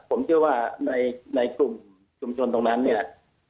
ผมเชื่อว่าในกลุ่มชนตรงนั้นเนี่ย